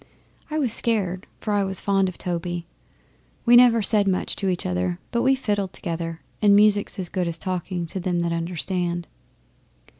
I was scared, for I was fond of Toby. We never said much to each other, but we fiddled together, and music's as good as talking to them that understand.